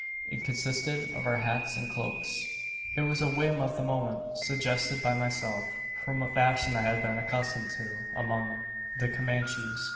It consisted of our hats and cloaks. "It was a whim of the moment suggested by myself from a fashion I had been accustomed to among the Comanches.